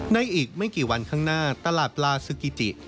อีกไม่กี่วันข้างหน้าตลาดปลาซึกิ